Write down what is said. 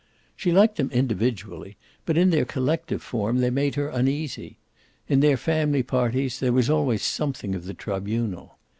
She liked them individually, but in their collective form they made her uneasy. In their family parties there was always something of the tribunal.